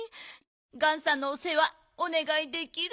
ガンさんのおせわおねがいできる？